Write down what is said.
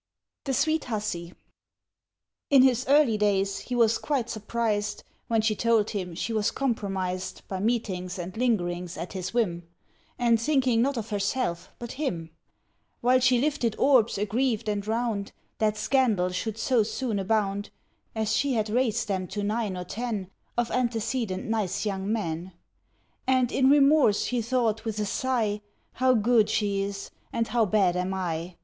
THE SWEET HUSSY IN his early days he was quite surprised When she told him she was compromised By meetings and lingerings at his whim, And thinking not of herself but him; While she lifted orbs aggrieved and round That scandal should so soon abound, (As she had raised them to nine or ten Of antecedent nice young men) And in remorse he thought with a sigh, How good she is, and how bad am I!